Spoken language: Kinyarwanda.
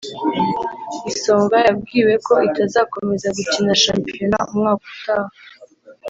Isonga yabwiwe ko itazakomeza gukina shampiyona umwaka utaha